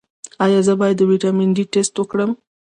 ایا زه باید د ویټامین ډي ټسټ وکړم؟